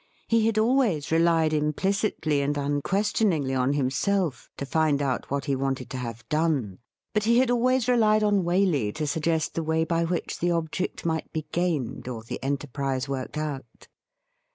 He had always relied implicitly and un questioningly on himself to find out what he wanted to have done ; but he had always relied on Waley to suggest the way by which the object might be gained or the enter prise worked out.